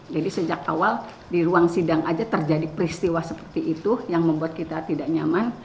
jadi sejak awal di ruang sidang aja terjadi peristiwa seperti itu yang membuat kita tidak nyaman